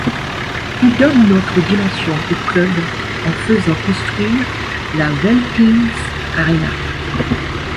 Il donne une autre dimension au club en faisant construire la Veltins-Arena.